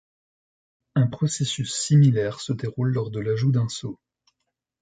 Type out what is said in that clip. Un processus similaire se déroule lors de l'ajout d'un seau.